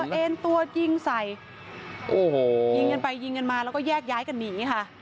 เอ็นตัวยิงใส่โอ้โหยิงกันไปยิงกันมาแล้วก็แยกย้ายกันหนีค่ะ